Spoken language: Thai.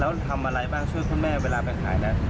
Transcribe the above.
แล้วทำอะไรบ้างช่วยคุณแม่เวลาไปขายทำหน้าที่อะไร